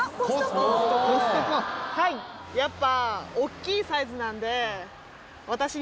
やっぱ。